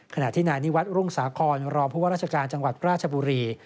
ขณะที่นายนิวัตรรุ่งสาครรองผู้ว่าราชการจังหวัดราชบุรี